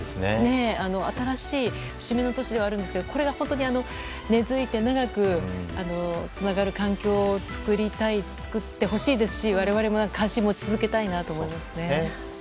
新しい節目の年ではあるんですがこれが根付いて長く、つながる環境を作ってほしいですし我々も関心を持ち続けたいなと思いますね。